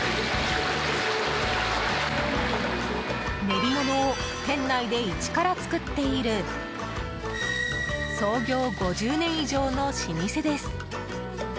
練り物を店内で一から作っている創業５０年以上の老舗です。